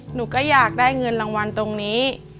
หนูก็อยากได้เงินรางวัลตรงนี้